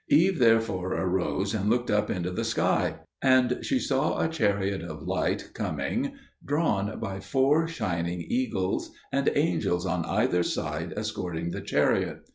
Eve therefore arose and looked up into the sky; and she saw a chariot of light coming, drawn by four shining eagles, and angels on either side escorting the chariot.